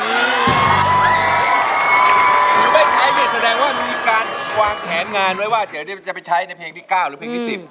หรือไม่ใช้เนี่ยแสดงว่ามีการวางแผนงานไว้ว่าเดี๋ยวนี้จะไปใช้ในเพลงที่๙หรือเพลงที่๑๐